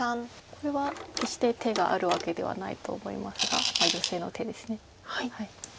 これは決して手があるわけではないと思いますがヨセの手です。